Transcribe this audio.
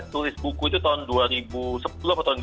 tulis buku itu tahun dua ribu sepuluh